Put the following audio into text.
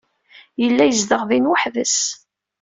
Yella yezdeɣ din weḥd-s.